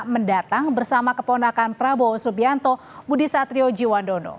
mendatang bersama keponakan prabowo subianto budi satriojiwandono